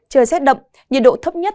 trời xét đậm nhiệt độ thấp nhất